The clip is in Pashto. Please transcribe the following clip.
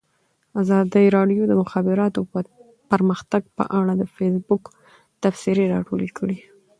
ازادي راډیو د د مخابراتو پرمختګ په اړه د فیسبوک تبصرې راټولې کړي.